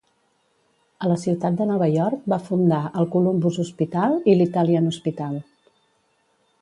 A la ciutat de Nova York va fundar el Columbus Hospital i l'Italian Hospital.